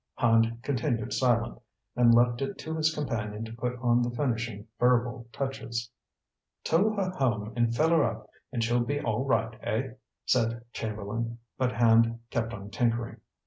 Hand continued silent, and left it to his companion to put on the finishing verbal touches. "Tow her home and fill her up and she'll be all right, eh?" said Chamberlain, but Hand kept on tinkering.